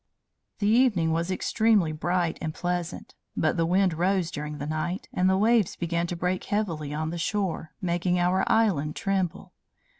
The evening was extremely bright and pleasant; but the wind rose during the night, and the waves began to break heavily on the shore, making our island tremble.